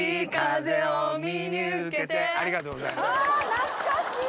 懐かしい！